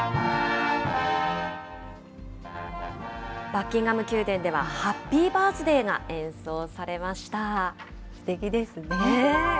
バッキンガム宮殿では、ハッピーバースデーが演奏されました。